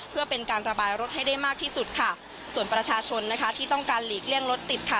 เพื่อเป็นการระบายรถให้ได้มากที่สุดค่ะส่วนประชาชนนะคะที่ต้องการหลีกเลี่ยงรถติดค่ะ